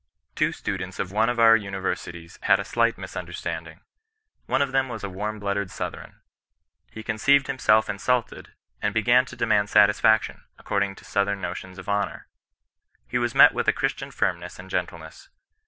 Two Students of one of our Universities had a slight misunderstanding. One of them was a warm blooded Southron. He conceiyed himself insulted, and began to demand satisfaction, according to Southern notions of honour. He was met with a Christian firmness and gentleness.